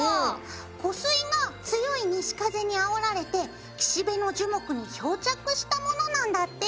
湖水が強い西風にあおられて岸辺の樹木にひょうちゃくしたものなんだって！